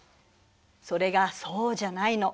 それがそうじゃないの。